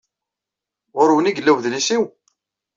Ɣer-wen ay yella udlis-inu?